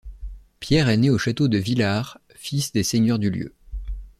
Pierre est né au château de Villars, fils des seigneurs du lieu.